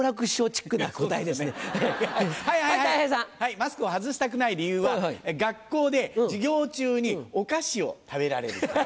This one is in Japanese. マスクを外したくない理由は学校で授業中にお菓子を食べられるから。